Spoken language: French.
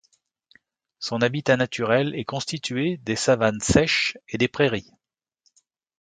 Son habitat naturel est constitué des savanes sèches et des prairies.